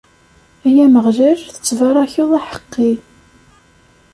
Ay Ameɣlal, tettbarakeḍ aḥeqqi.